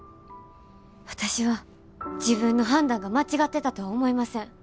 私は自分の判断が間違ってたとは思いません。